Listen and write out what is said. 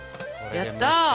やった！